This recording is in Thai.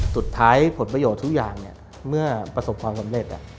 สุดท้ายผลประโยชน์ทุกอย่างเนี่ยเมื่อประสบความสำเร็จ